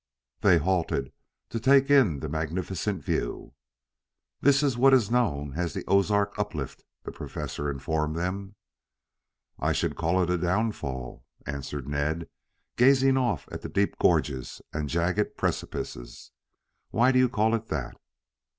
They halted to take in the magnificent view. "This is what is known as the 'Ozark Uplift,'" the Professor informed them. "I should call it a downfall," answered Ned, gazing off at the deep gorges and jagged precipices. "Why do you call it that?"